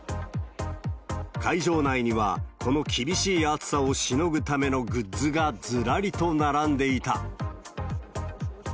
会場内にはこの厳しい暑さをしのぐためのグッズがずらりと並んでいた。